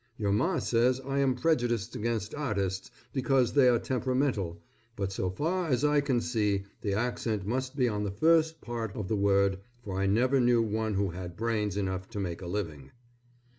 Your Ma says I am prejudiced against artists because they are temperamental, but so far as I can see the accent must all be on the first part of the word for I never knew one who had brains enough to make a living.